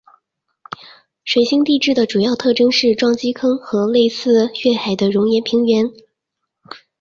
水星地质的主要特征是撞击坑和类似月海的熔岩平原。